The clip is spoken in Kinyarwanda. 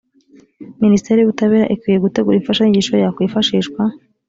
minisiteri y ubutabera ikwiye gutegura imfashanyigisho yakwifashishwa